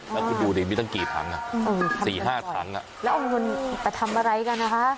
แล้วคุณดูดิมีตั้งกี่ถังอ่ะ๔๕ถังแล้วเอาเงินไปทำอะไรกันนะคะ